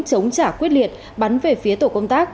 chống trả quyết liệt bắn về phía tổ công tác